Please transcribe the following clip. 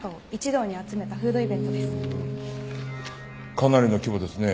かなりの規模ですね。